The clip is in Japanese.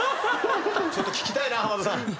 ちょっと聞きたいな浜田さん。